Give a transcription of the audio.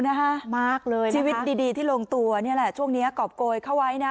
หน้าเลยนะทีวยี่ดีที่ลงตัวเนี่ยแหละช่วงจงเนี้ยกรอบโกยเข้าไว้นะ